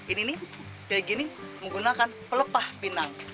ini nih kayak gini menggunakan pelepah pinang